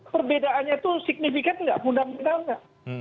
perbedaannya itu signifikan nggak mudah mudahan nggak